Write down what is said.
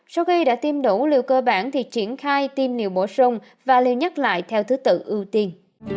sau khi đã tiêm đủ liều cơ bản thì triển khai tiêm liều bổ sung và liều nhắc lại theo thứ tự ưu tiên